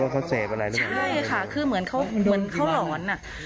ใช่ค่ะคือเหมือนเค้าหลอน